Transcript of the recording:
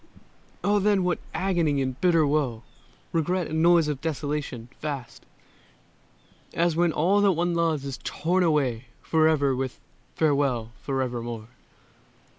Oh, then what agony and bitter woe, Regret and noise of desolation, vast As when all that one loves is torn away Forever with "farewell forevermore"!